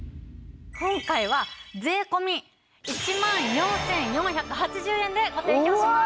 今回は税込１万４４８０円でご提供します。